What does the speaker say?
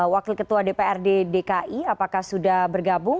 wakil ketua dprd dki apakah sudah bergabung